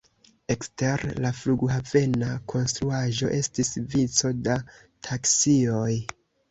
Ekster la flughavena konstruaĵo estis vico da taksioj.